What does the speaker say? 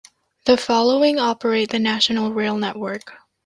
The following operate the National Rail network.